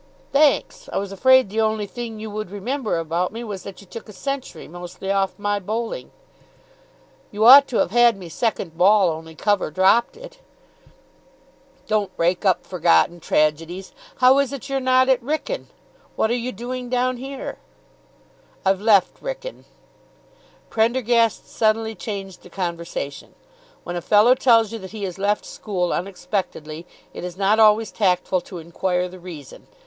"Thanks. I was afraid the only thing you would remember about me was that you took a century mostly off my bowling." "You ought to have had me second ball, only cover dropped it." "Don't rake up forgotten tragedies. How is it you're not at Wrykyn? What are you doing down here?" "I've left Wrykyn." Prendergast suddenly changed the conversation. When a fellow tells you that he has left school unexpectedly, it is not always tactful to inquire the reason.